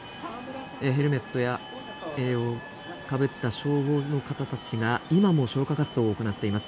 ヘルメットをかぶった消防の方たちが今も消火活動を行っています。